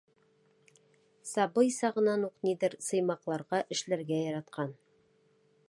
Сабый сағынан уҡ ниҙер сыймаҡларға, эшләргә яратҡан.